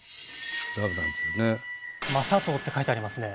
「雅刀」って書いてありますね。